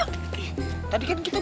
oke deh kalau gitu